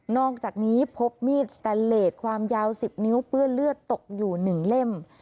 อกจากนี้พบมีดสแตนเลสความยาว๑๐นิ้วเปื้อนเลือดตกอยู่๑เล่ม